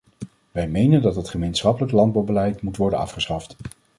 Wij menen dat het gemeenschappelijk landbouwbeleid moet worden afgeschaft.